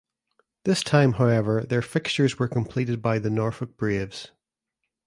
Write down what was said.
This time however their fixtures were completed by the Norfolk Braves.